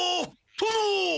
殿？